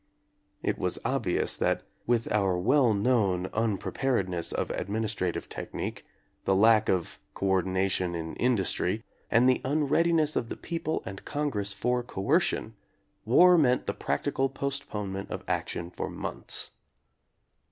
It was obvious that with our well known unpre paredness of administrative technique, the lack of coordination in industry, and the unreadiness of the people and Congress for coercion, war meant the practical postponement of action for months.